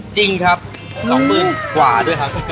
จริงครับสองหมื่นกว่าด้วยครับ